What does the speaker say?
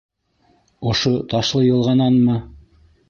— Ошо Ташлыйылғананмы?